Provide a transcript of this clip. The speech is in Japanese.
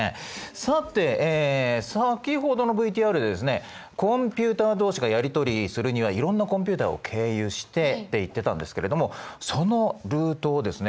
さて先ほどのＶＴＲでですねコンピュータ同士がやり取りするにはいろんなコンピュータを経由してって言ってたんですけれどもそのルートをですね